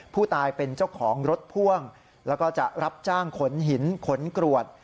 ผู้ตายเป็นเจ้าของรถพ่วงแล้วก็จะรับจ้างขนหินขนกรวด